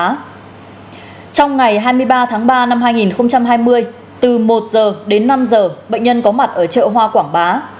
trong ngày hai mươi ba tháng ba năm hai nghìn hai mươi từ một giờ đến năm giờ bệnh nhân có mặt ở chợ hoa quảng bá